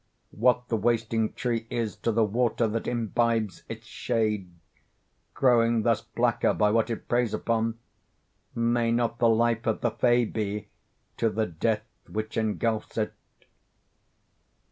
What the wasting tree is to the water that imbibes its shade, growing thus blacker by what it preys upon, may not the life of the Fay be to the death which engulfs it?"